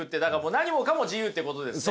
何もかも自由ってことですね。